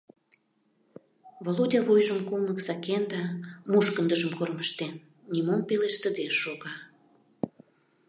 Володя, вуйжым кумык сакен да мушкындыжым кормыжтен, нимом пелештыде шога.